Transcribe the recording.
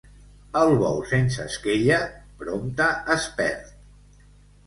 El bou sense esquella prompte es perd.